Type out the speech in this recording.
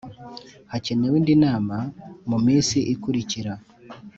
Hacyenewe indi nama mu minsi ikurikira